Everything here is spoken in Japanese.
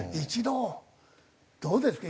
どうですか？